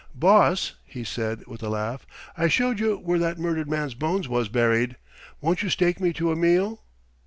"Boss," he said with a laugh, "I showed you where that murdered man's bones was buried, won't you stake me to a meal?"